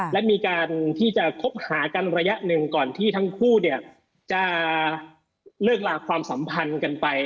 และมีการที่จะคบหากันระยะหนึ่งก่อนที่ทั้งคู่เนี่ยจะเลิกลาความสัมพันธ์กันไป